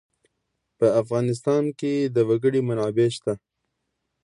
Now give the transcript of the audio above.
په افغانستان کې د وګړي منابع شته.